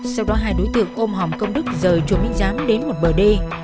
sau đó hai đối tượng ôm hòm công đức rời chúa minh dám đến một bờ đê